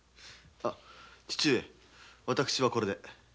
父上私はこれで。